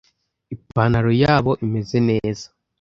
ipantaro yabo imeze neza